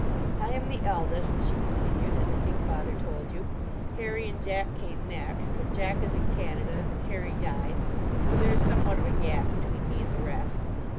"I am the eldest," she continued, "as I think father told you. Harry and Jack came next; but Jack is in Canada and Harry died, so there is somewhat of a gap between me and the rest.